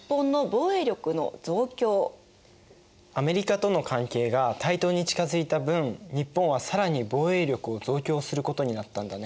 アメリカとの関係が対等に近づいた分日本は更に防衛力を増強することになったんだね。